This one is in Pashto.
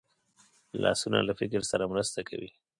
لاسونه له فکر سره مرسته کوي